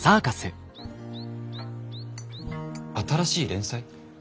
新しい連載？